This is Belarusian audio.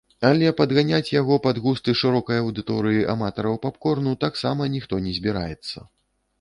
Але і падганяць яго пад густы шырокай аўдыторыі аматараў поп-корну таксама ніхто не збіраецца.